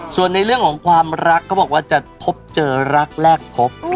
ส่วนในเรื่องของความรักเขาบอกว่าจะพบเจอรักแลกพบ